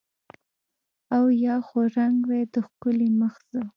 او یا خو رنګ وای د ښکلي مخ زه